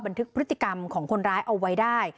บันทึกพฤติกรรมของคนร้ายเอาไว้ได้